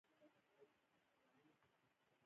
د پیغمبر په زمانه کې یې ورته حرا ویل.